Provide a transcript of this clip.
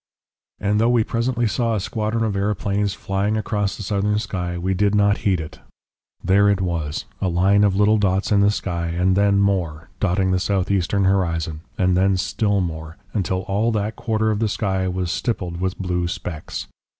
"And though we presently saw a squadron of aeroplanes flying across the southern sky we did not heed it. There it was a line of little dots in the sky and then more, dotting the southeastern horizon, and then still more, until all that quarter of the sky was stippled with blue specks.